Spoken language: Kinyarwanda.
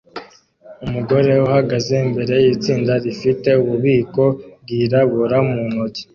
Umugore uhagaze imbere yitsinda rifite ububiko bwirabura mu ntoki